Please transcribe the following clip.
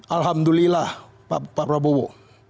alhamdulillah pak prabowo